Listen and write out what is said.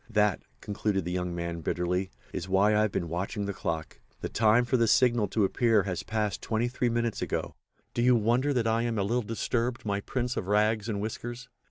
That," concluded the young man bitterly, "is why I have been watching that clock. The time for the signal to appear has passed twenty three minutes ago. Do you wonder that I am a little disturbed, my Prince of Rags and Whiskers?"